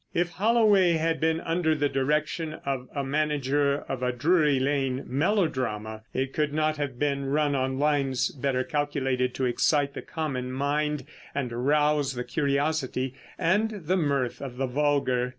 If Holloway had been under the direction of the manager of a Drury Lane melodrama it could not have been run on lines better calculated to excite the common mind, and arouse the curiosity and the mirth of the vulgar.